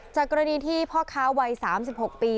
จากกรณีที่พ่อค้าวัย๓๖ปี